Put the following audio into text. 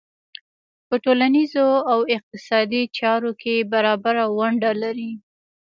په ټولنیزو او اقتصادي چارو کې برابره ونډه لري.